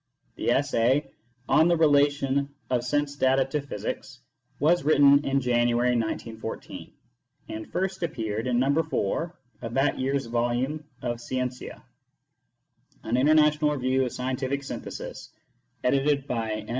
The essay on " The Relation of Sense data to Physics " was written in January, 1914, and first appeared in No. 4 of that year s volume of Scientia, an International Review of Scientific Synthesis, edited by M.